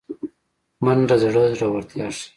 منډه د زړه زړورتیا ښيي